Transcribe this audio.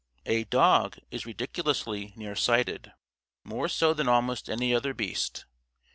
A dog is ridiculously near sighted. More so than almost any other beast.